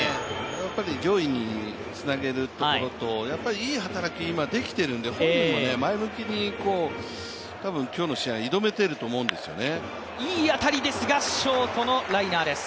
上位につなげるところといい働きができているので本人も前向きに今日の試合挑めていると思うんですよね。